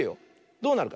どうなるか。